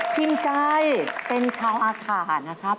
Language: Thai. พิมจัยเป็นชาวขานะครับ